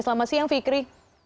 selamat siang fikri